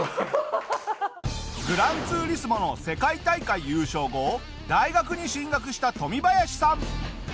『グランツーリスモ』の世界大会優勝後大学に進学したトミバヤシさん。